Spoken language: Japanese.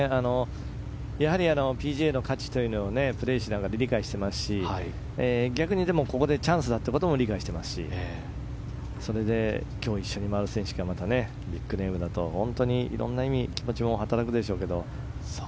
ＰＧＡの価値というのをプレーしながら理解していますし逆にチャンスだということも理解していますし今日一緒に回る選手がまたビッグネームだと本当にいろんな意味気持ちも働くでしょうけど。